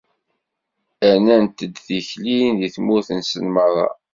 Rnant-d tilkin di tmurt-nsen merra.